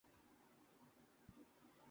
بھارت اس کے علاوہ ہے۔